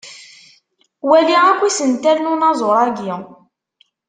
Wali akk isental n unaẓur-agi.